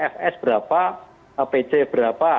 fs berapa apc berapa